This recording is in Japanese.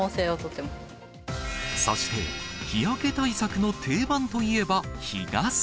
そして、日焼け対策の定番といえば日傘。